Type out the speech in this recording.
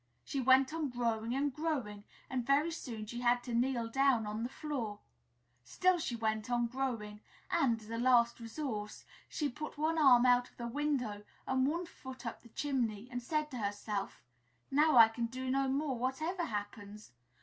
She went on growing and growing and very soon she had to kneel down on the floor. Still she went on growing, and, as a last resource, she put one arm out of the window and one foot up the chimney, and said to herself, "Now I can do no more, whatever happens.